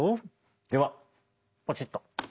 ではポチッと。